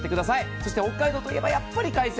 そして北海道といえば、やっぱり海鮮。